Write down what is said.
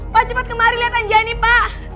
pak cepat kemari lihat anjani pak